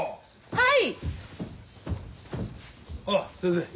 はい。